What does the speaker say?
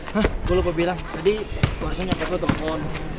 hah gue lupa bilang tadi korison nyatet lo temen